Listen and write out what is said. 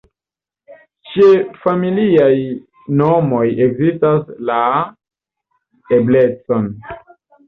Ĉe familiaj nomoj ekzistas la eblecon.